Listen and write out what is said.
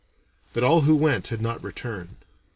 But all who went had not returned.